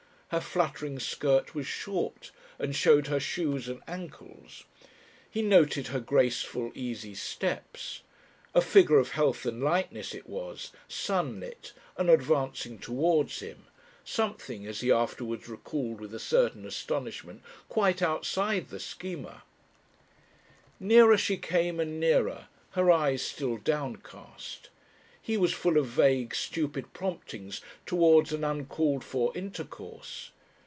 Her fluttering skirt was short, and showed her shoes and ankles. He noted her graceful, easy steps. A figure of health and lightness it was, sunlit, and advancing towards him, something, as he afterwards recalled with a certain astonishment, quite outside the Schema. Nearer she came and nearer, her eyes still downcast. He was full of vague, stupid promptings towards an uncalled for intercourse.